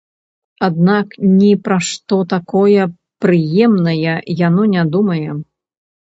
Аднак ні пра што такое прыемнае яно не думае.